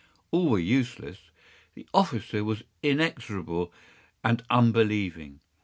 All were useless. The officer was inexorable and unbelieving.